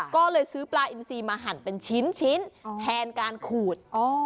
ก็เลยซื้อปลาอินซีมาหั่นเป็นชิ้นแทนการขูด